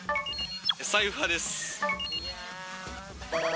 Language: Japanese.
財布派です。